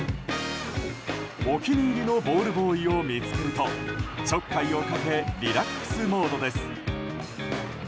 お気に入りのボールボーイを見つけるとちょっかいをかけリラックスモードです。